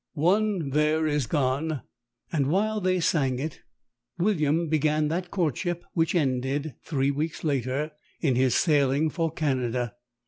One there is gone ..." And while they sang it William began that courtship which ended, three weeks later, in his sailing for Canada.